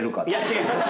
違います。